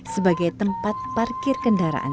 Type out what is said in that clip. sebagai tempat parkir kendaraan